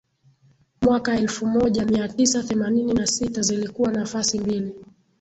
mwaka elfu moja mia tisa themanini na sita zilikuwa nafasi mbili